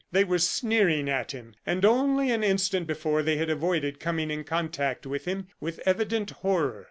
They were sneering at him, and only an instant before they had avoided coming in contact with him with evident horror.